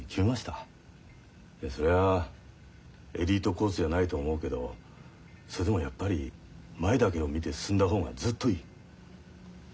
そりゃあエリートコースじゃないと思うけどそれでもやっぱり前だけを見て進んだ方がずっといい。